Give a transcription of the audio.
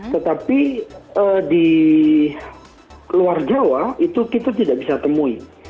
tetapi di luar jawa itu kita tidak bisa temui